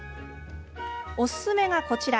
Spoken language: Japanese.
おすすめが、こちら。